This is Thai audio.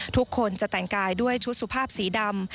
ทุกคนจะแต่งกายด้วยชุดสุภาพสีดำ